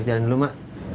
jualan dulu mak